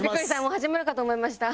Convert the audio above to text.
もう始めるかと思いました。